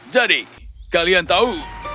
jadi kalian tahu